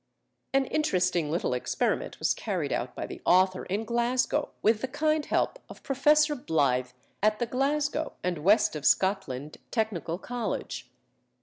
An interesting little experiment was carried out by the author in Glasgow, with the kind help of Professor Blyth, at the Glasgow and West of Scotland Technical College.